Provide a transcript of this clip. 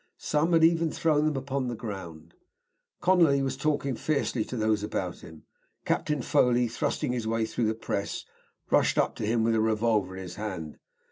Some had even thrown them upon the ground. Conolly was talking fiercely to those about him. Captain Foley, thrusting his way through the press, rushed up to him with a revolver in his hand.